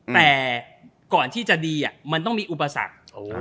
แต่ก่อนที่จะดีมันต้องมีอุปสรรค